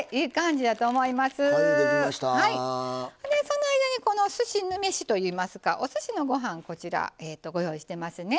その間にこのすし飯といいますかおすしのご飯こちらご用意してますね。